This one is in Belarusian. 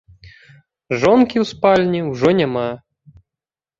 Жонкі ў спальні ўжо няма.